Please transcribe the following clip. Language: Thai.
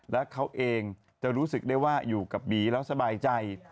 แล้วเขาเองจะรู้สึกได้ว่าอยู่กับบีแล้วสบายใจ